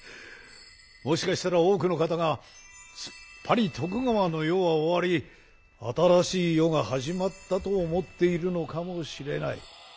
もしかしたら多くの方がすっぱり徳川の世は終わり新しい世が始まったと思っているのかもしれない。